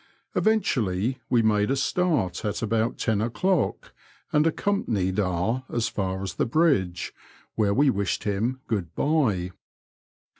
Eventually we made a start at about ten o'clock, and accompanied E as far as the bridge, where we wished him good bye.